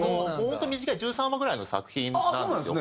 本当に短い１３話ぐらいの作品なんですよ。